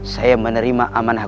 saya menerima amanah